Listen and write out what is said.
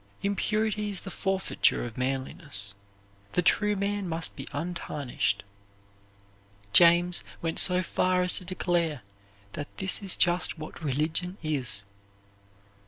Impurity is the forfeiture of manliness. The true man must be untarnished. James went so far as to declare that this is just what religion is.